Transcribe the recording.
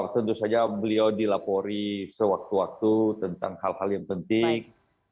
tentu saja beliau dilapori sewaktu waktu tentang hal hal yang penting